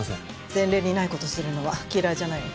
前例にない事するのは嫌いじゃないわ。